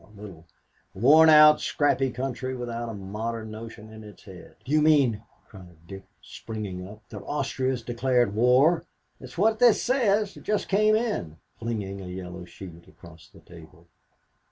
A little worn out, scrappy country without a modern notion in its head." "Do you mean," cried Dick, springing up, "that Austria has declared war?" "That's what this says. It just came in," flinging a yellow sheet across the table.